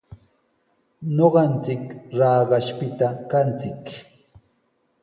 Ñuqanchik Raqashpita kanchik.